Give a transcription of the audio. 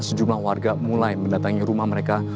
sejumlah warga mulai mendatangi rumah mereka